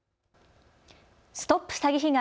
ＳＴＯＰ詐欺被害！